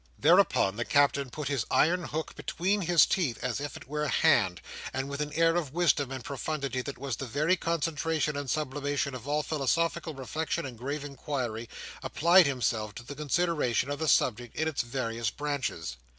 Thereupon the Captain put his iron hook between his teeth, as if it were a hand; and with an air of wisdom and profundity that was the very concentration and sublimation of all philosophical reflection and grave inquiry, applied himself to the consideration of the subject in its various branches.